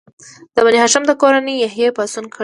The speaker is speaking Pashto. د بني هاشم د کورنۍ یحیی پاڅون کړی و.